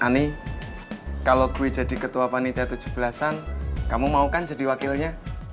ani kalau gue jadi ketua panitia tujuh belas an kamu mau kan jadi wakilnya